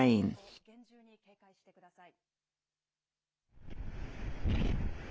大雨にも厳重に警戒してください。